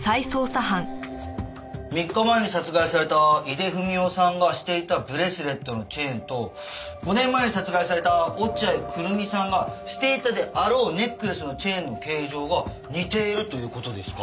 ３日前に殺害された井出文雄さんがしていたブレスレットのチェーンと５年前に殺害された落合久瑠実さんがしていたであろうネックレスのチェーンの形状が似ているという事ですか？